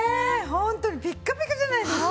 ホントにピッカピカじゃないですか。